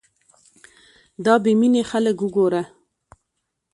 دا بې مينې خلک وګوره